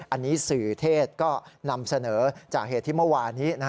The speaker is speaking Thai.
อันนี้สื่อเทศก็นำเสนอจากเหตุที่เมื่อวานี้